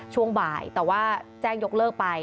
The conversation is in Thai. ช่วงบ่ายแต่ว่าแจ้งยกเลิกไป